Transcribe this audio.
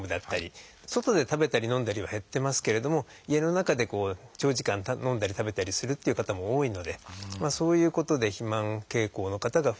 外で食べたり飲んだりは減ってますけれども家の中で長時間飲んだり食べたりするっていう方も多いのでそういうことで肥満傾向の方が増えています。